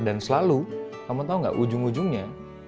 dan selalu kamu tau gak ujung ujungnya